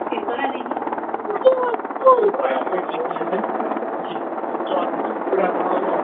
内测需要获得内测资格才可以登录